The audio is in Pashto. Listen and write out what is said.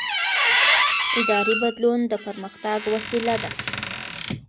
اداري بدلون د پرمختګ وسیله ده